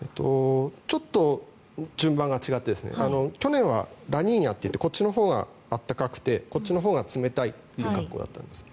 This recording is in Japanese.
ちょっと順番が違って去年はラニーニャといってこっちのほうが暖かくてこっちのほうが冷たいという格好だったんです。